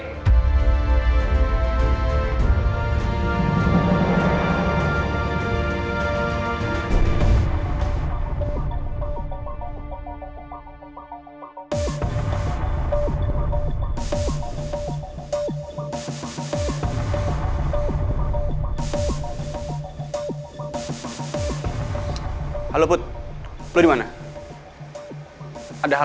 tidak ada yang bisa dipercaya